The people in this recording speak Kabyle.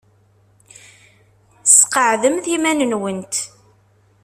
Sqeɛdemt iman-nwent.